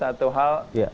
tapi satu hal